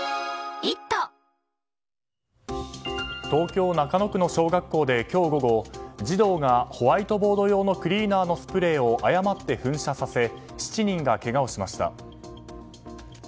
東京・中野区の小学校で今日午後児童がホワイトボード用のクリーナーのスプレーを誤って噴射させ７人がけがをしました。